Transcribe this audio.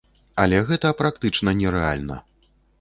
Але гэта практычна нерэальна.